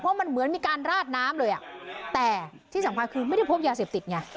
เพราะมันเหมือนมีการราดน้ำเลยอ่ะแต่ที่สำคัญคือไม่ได้พบยาเสพติดไง